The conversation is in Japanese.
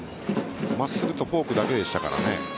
真っすぐとフォークだけでしたからね